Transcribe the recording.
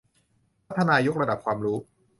พัฒนายกระดับความรู้